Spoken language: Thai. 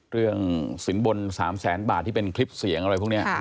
สินบน๓แสนบาทที่เป็นคลิปเสียงอะไรพวกนี้